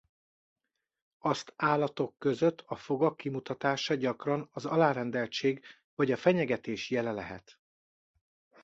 Azt állatok között a fogak kimutatása gyakran az alárendeltség vagy a fenyegetés jele lehet.